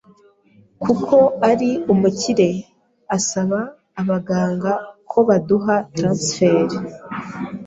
kuko ari umukire asaba abaganga ko baduha transfert